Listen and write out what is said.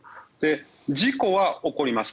事故は起こります。